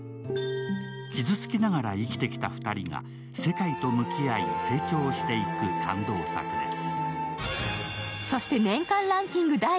傷つきながら生きてきた２人が世界と向き合い成長していく感動作です。